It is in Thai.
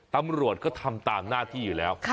ตำรวจก็ทำตามหน้าที่อยู่แล้ว